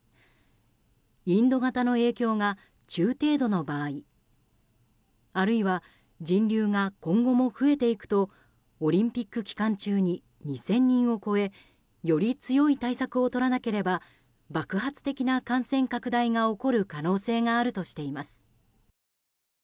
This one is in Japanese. インド型の影響が中程度の場合あるいは人流が今後も増えていくとオリンピック期間中に２０００人を超えより強い対策をとらなければ爆発的な感染拡大が起こる可能性があるとしています。